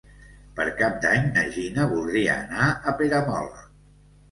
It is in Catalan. Per Cap d'Any na Gina voldria anar a Peramola.